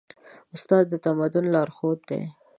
استاد د تمدن لارښود دی.